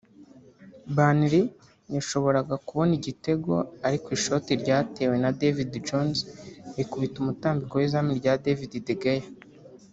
Burnley yashoboraga kubona igitego ariko ishoti ryatewe na David Jones rikubita umutambiko w’izamu rya David de Gea